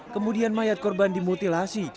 kemudian mayat korban dimutilasi